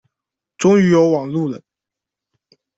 终于有网路了